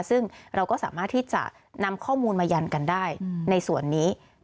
ซึ่งเราก็สามารถที่จะนำข้อมูลมายันกันได้ในส่วนนี้